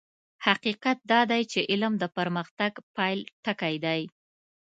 حقيقت دا دی چې علم د پرمختګ پيل ټکی دی.